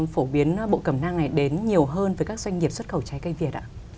phổ biến bộ cẩm năng này đến nhiều hơn với các doanh nghiệp xuất khẩu trái cây việt ạ